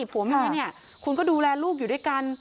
ผัวเมียเนี่ยคุณก็ดูแลลูกอยู่ด้วยกัน